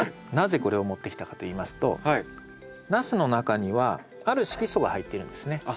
なぜこれを持ってきたかといいますとナスの中にはある色素が入っているんですね。